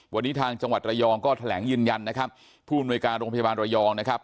วันนี้ทางจังหวัดระยองก็แถลงยืนยันนะครับผู้อำนวยการโรงพยาบาลระยองนะครับ